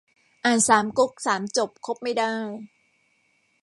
อ่านสามก๊กสามจบคบไม่ได้